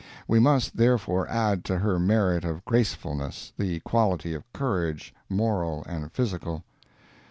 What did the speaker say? We must, therefore, add to her merit of gracefulness, the quality of courage, moral and physical.